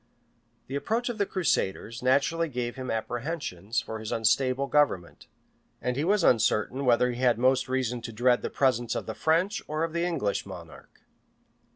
[] The approach of the crusaders naturally gave him apprehensions for his unstable government; and he was uncertain whether he had most reason to dread the presence of the French or of the English monarch.